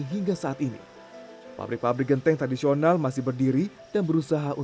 kekuatan dan kekuatan